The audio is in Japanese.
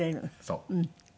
そう。